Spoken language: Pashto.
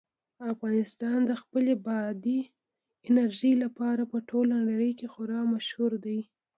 افغانستان د خپلې بادي انرژي لپاره په ټوله نړۍ کې خورا مشهور دی.